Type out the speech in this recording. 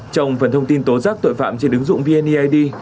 trong phần thông tin tố giác tội phạm trên ứng dụng vneid